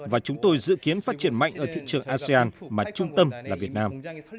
và chúng tôi dự kiến phát triển mạnh ở thị trường asean mà trung tâm là việt nam